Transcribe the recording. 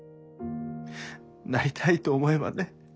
なりたいと思えばね